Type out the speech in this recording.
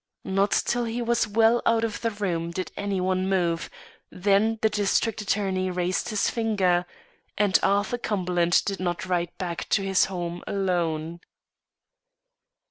Not till he was well out of the room did any one move, then the district attorney raised his finger, and Arthur Cumberland did not ride back to his home alone.